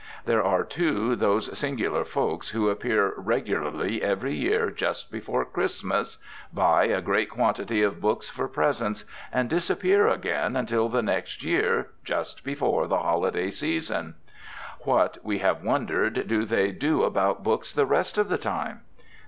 There are, too, those singular folks who appear regularly every year just before Christmas, buy a great quantity of books for presents, and disappear again until the next year just before the holiday season. What, we have wondered, do they do about books the rest of the time?